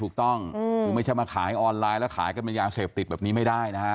ถูกต้องคือไม่ใช่มาขายออนไลน์แล้วขายกันเป็นยาเสพติดแบบนี้ไม่ได้นะฮะ